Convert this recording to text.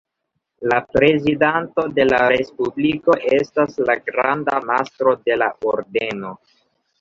La prezidanto de la Respubliko estas la granda mastro de la Ordeno.